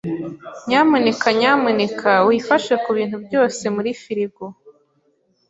Nyamuneka nyamuneka wifashe kubintu byose muri firigo.